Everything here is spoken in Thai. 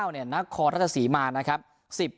๙เนี่ยนักคอร์รัฐศรีมานะครับ